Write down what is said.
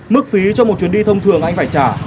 mức phí cho một chuyến đi thông thường anh phải trả